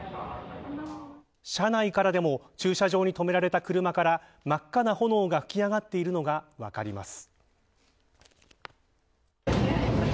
車内からでも駐車場に止められた車から真っ赤な炎が吹き上がっているのが分かります。